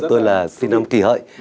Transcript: tôi là sinh năm kỳ hợi